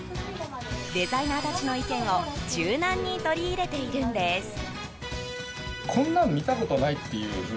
デザイナーたちの意見を柔軟に取り入れているんです。